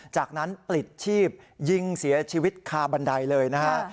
จากนั้นปลิดชีพยิงเสียชีวิตคาบันไดเลยนะฮะ